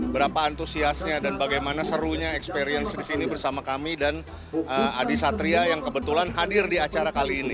berapa antusiasnya dan bagaimana serunya experience di sini bersama kami dan adi satria yang kebetulan hadir di acara kali ini